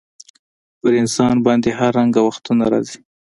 پر انسان باندي هر رنګه وختونه راځي.